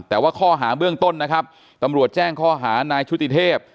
แต่ว่าข้อหาเบื้องต้นนะครับตำรวจแจ้งข้อหานายชุติเทพ